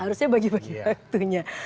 harusnya bagi bagi waktunya